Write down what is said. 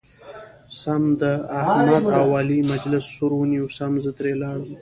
سم د احمد او علي مجلس سور ونیو سم زه ترې ولاړم.